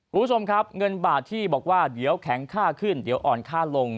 คุณผู้ชมครับเงินบาทที่บอกว่าเดี๋ยวแข็งค่าขึ้นเดี๋ยวอ่อนค่าลง